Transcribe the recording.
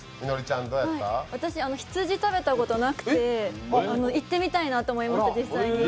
私、羊食べたことがなくて、行ってみたいなと思いました。